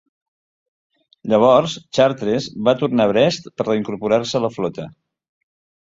Llavors, Chartres va tornar a Brest per reincorporar-se a la flota.